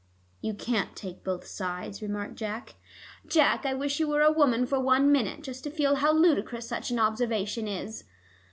"You can't take both sides," remarked Jack. "Jack, I wish you were a woman for one minute, just to feel how ludicrous such an observation is.